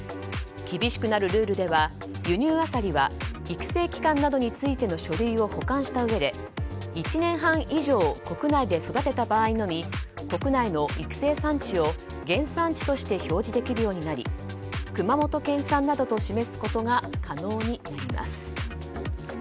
厳しくなるルールでは輸入アサリは育成期間などについての書類を保管したうえで１年半以上国内で育てた場合のみ国内の育成産地を原産地として表示できるようになり熊本県産などと示すことが可能になります。